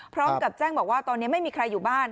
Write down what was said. พร้อมกับแจ้งบอกว่าตอนนี้ไม่มีใครอยู่บ้าน